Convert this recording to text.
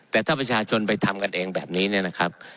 แต่ถ้าประชาชนไปทำกันเองแบบนี้เนี่ยนะครับ